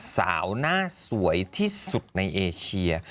สาวหน้าสวยที่สุดในเอเชีย